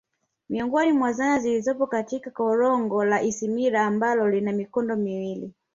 Miongoni mwa zana zilizopo katika korongo la Isimila ambalo lina mikondo miwili